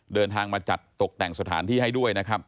เดินทางมาจัดตกแต่งสถานที่ให้ด้วยนะครับ